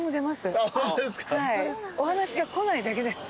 お話が来ないだけです。